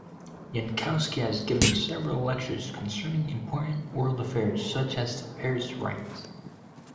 Jankowski has given several lectures concerning important world affairs such as the Paris riots.